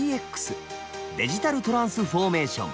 デジタルトランスフォーメーション。